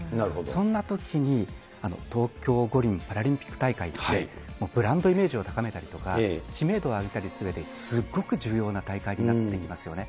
そんなときに、東京五輪・パラリンピック大会って、ブランドイメージを高めたりとか、知名度を上げたりするうえで、すっごく重要な大会になってきますよね。